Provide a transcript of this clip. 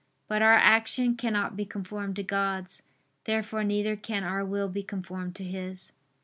But our action cannot be conformed to God's. Therefore neither can our will be conformed to His.